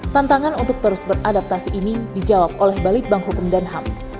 tantangan untuk terus beradaptasi ini dijawab oleh balitbang hukum dan ham